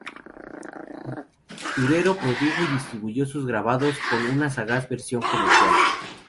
Durero produjo y distribuyó sus grabados con una sagaz visión comercial.